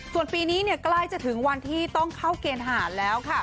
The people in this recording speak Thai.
ส่วนปีนี้ใกล้จะถึงวันที่ต้องเข้าเกณฑ์ทหารแล้วค่ะ